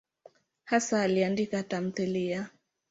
Hasa aliandika tamthiliya.